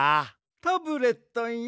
タブレットンよ。